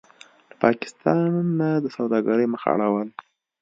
له پاکستانه د سوداګرۍ مخ اړول: